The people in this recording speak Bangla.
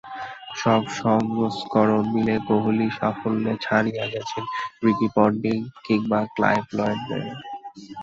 সব সংস্করণ মিলে কোহলি সাফল্যে ছাড়িয়ে গেছেন রিকি পন্টিং কিংবা ক্লাইভ লয়েডদের।